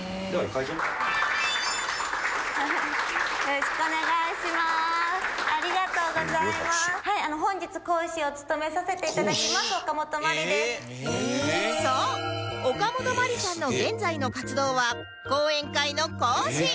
そうおかもとまりさんの現在の活動は講演会の講師